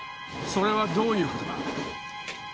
それはどういう事だ？